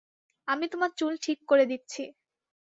আমি তোমার চুল ঠিক করে দিচ্ছি।